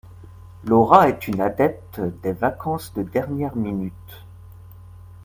Laura est une adepte des vacances de dernière minute.